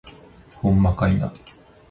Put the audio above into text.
ほんまかいな